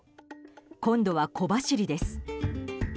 今度は小走りです。